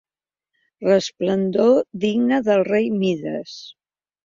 Resplendor digne del rei Mides.